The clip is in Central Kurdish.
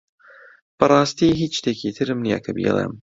بەڕاستی هیچ شتێکی ترم نییە کە بیڵێم.